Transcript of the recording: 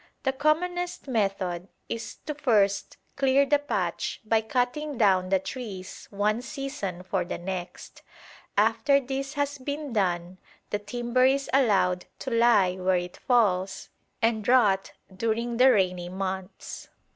The commonest method is to first clear the patch by cutting down the trees one season for the next. After this has been done, the timber is allowed to lie where it falls and rot during the rainy months.